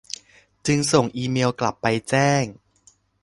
จึงส่งอีเมล์กลับไป แจ้ง